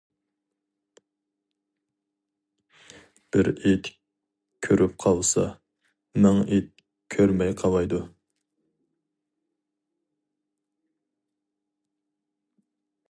بىر ئىت كۆرۈپ قاۋىسا، مىڭ ئىت كۆرمەي قاۋايدۇ.